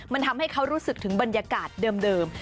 มันทำให้เขารู้สึกถึงบรรยากาศเดิม